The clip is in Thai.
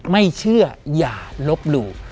ไม่เชื่ออย่าลบหลู่